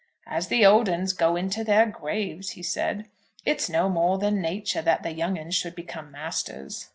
"As the old 'uns go into their graves," he said, "it's no more than nature that the young 'uns should become masters."